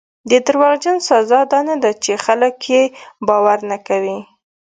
د دروغجن سزا دا نه ده چې خلک یې باور نه کوي.